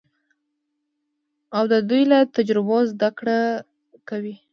او د دوی له تجربو زده کړه کوي.